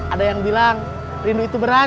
ada yang bilang rindu itu berat